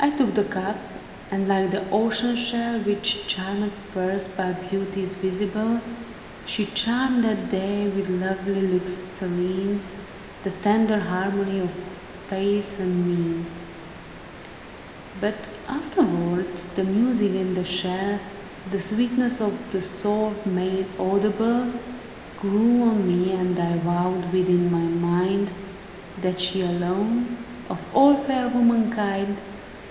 " I took the cup ; and, like the ocean shell Which charmeth first by beauties visible. She charmed that day, with lovely looks serene, The tender harmony of face and mien ; But afterwards the music in the shell. The sweetness of the soul made audible, Grew on me and I vowed within my mind. That she alone, of all fair womankind.